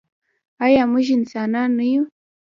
آیا موږ انسانان نه یو؟